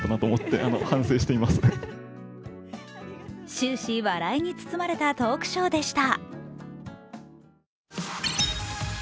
終始、笑いに包まれたトークショーでした。